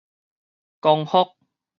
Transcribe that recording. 光復